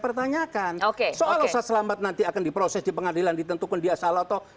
pertanyakan soal usah selamat nanti akan diproses di pengadilan ditentukan dia salah atau